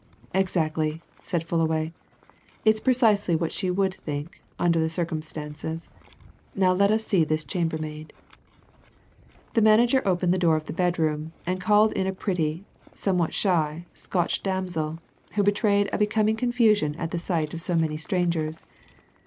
"Exactly," said Fullaway. "It is precisely what she would think under the circumstances. Now let us see this chambermaid." The manager opened the door of the bedroom, and called in a pretty, somewhat shy, Scotch damsel, who betrayed a becoming confusion at the sight of so many strangers.